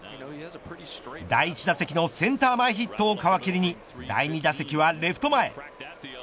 第１打席のセンター前ヒットを皮切りに第２打席はレフト前。